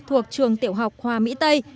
thuộc trường tiểu học hòa mỹ tây